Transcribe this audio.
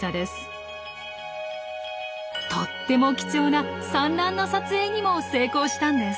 とっても貴重な産卵の撮影にも成功したんです！